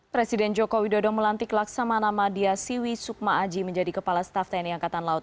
presiden joko widodo melantik laksamana madia siwi sukma aji menjadi kepala staf tni angkatan laut